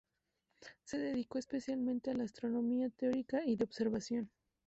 Se dedicó especialmente a la astronomía teórica y de observación.